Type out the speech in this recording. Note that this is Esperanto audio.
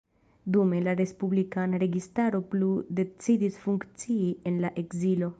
Dume, la respublikana registaro plu decidis funkcii en la ekzilo.